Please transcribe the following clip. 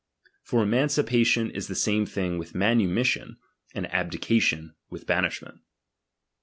For emancipation is the same thing with v^ianumission, and abdication with banishment.